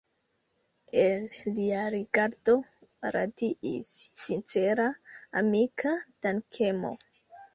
El lia rigardo radiis sincera amika dankemo.